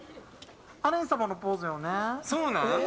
アレン様のポーズよね。